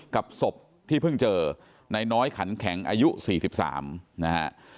ศพที่เพิ่งเจอนายน้อยขันแข็งอายุ๔๓นะฮะ